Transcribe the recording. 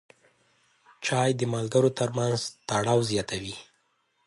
چای د ملګرو ترمنځ تړاو زیاتوي.